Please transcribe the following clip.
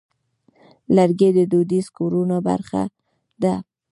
لرګی د دودیزو کورونو برخه ده.